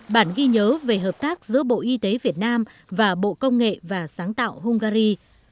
bản ghi nhớ về hợp tác giữa bộ y tế việt nam và bộ công nghệ và sáng tạo hungary